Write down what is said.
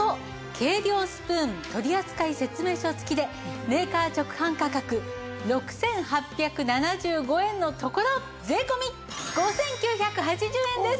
計量スプーン取扱説明書付きでメーカー直販価格６８７５円のところ税込５９８０円です！